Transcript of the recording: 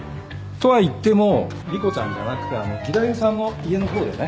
とはいっても莉湖ちゃんじゃなくてあの義太夫さんの家の方でね。